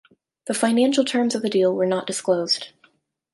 The financial terms of the deal were not disclosed.